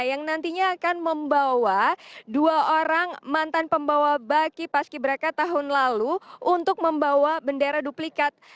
yang nantinya akan membawa dua orang mantan pembawa baki paski beraka tahun lalu untuk membawa bendera duplikat